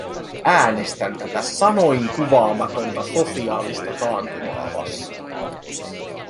Äänestän tätä sanoinkuvaamatonta sosiaalista taantumaa vastaan.